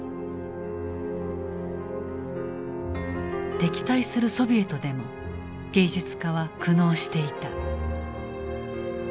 敵対するソビエトでも芸術家は苦悩していた。